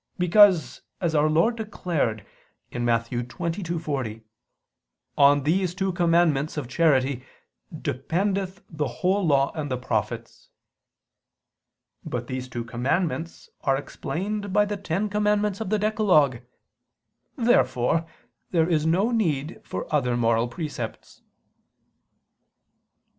Because, as Our Lord declared (Matt. 22:40), "on these two commandments" of charity "dependeth the whole law and the prophets." But these two commandments are explained by the ten commandments of the decalogue. Therefore there is no need for other moral precepts.